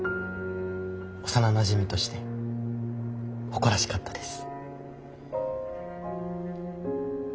幼なじみとして誇らしかったです。